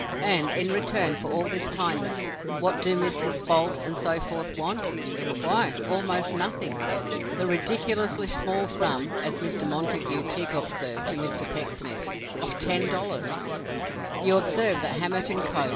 And in return for all this kindness, what do Messrs. Boult and so forth want? Why, almost nothing. "The ridiculously small sum," as Mr. Montague Tigg observed to Mr. Pecksniff, of $10. You observe that Hammett & Co.